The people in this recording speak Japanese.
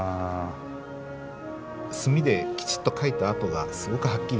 墨できちっと書いた跡がすごくはっきりと写っていたりします。